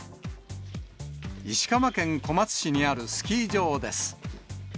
石川県小松市にあるスキー場です。